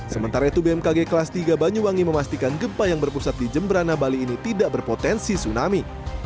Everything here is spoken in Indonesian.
sementara itu bmkg kelas tiga banyuwangi memastikan gempa yang berpusat di jemberana bali ini tidak berpotensi tsunami